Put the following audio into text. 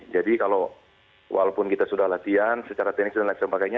jadi kalau walaupun kita sudah latihan secara teknis dan lain sebagainya